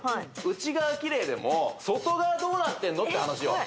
内側キレイでも外側どうなってんの？って話よ